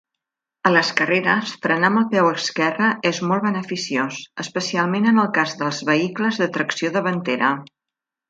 A les carreres, frenar amb el peu esquerra es molt beneficiós, especialment en el cas dels vehicles de tracció davantera.